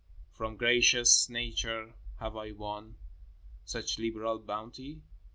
From gracious Nature have I won Such liberal bounty ?